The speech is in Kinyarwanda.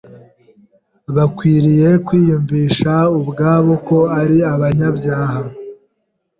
bakwiriye kwiyumvisha ubwabo ko ari abanyabyaha,